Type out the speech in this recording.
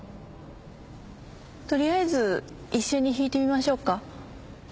とりあえず一緒に弾いてみましょうか。